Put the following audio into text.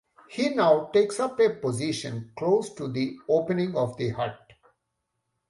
He now takes up a position close to the opening of the hut.